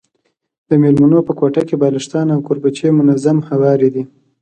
د مېلمنو په کوټه کي بالښتان او کوربچې منظم هواري دي.